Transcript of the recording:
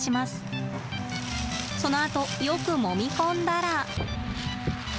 そのあとよくもみ込んだら。